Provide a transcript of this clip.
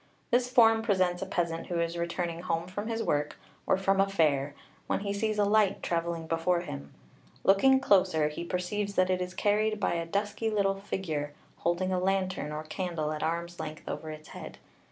This form presents a peasant who is returning home from his work, or from a fair, when he sees a light travelling before him. Looking closer he perceives that it is carried by a dusky little figure, holding a lantern or candle at arm's length over its head.